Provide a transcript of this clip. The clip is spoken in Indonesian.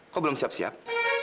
kok belum siap siap